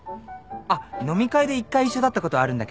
あっ飲み会で１回一緒だったことあるんだけど。